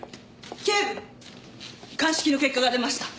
警部鑑識の結果が出ました。